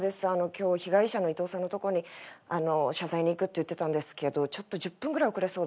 今日被害者のイトウさんのとこに謝罪に行くって言ってたんですけどちょっと１０分ぐらい遅れそうで。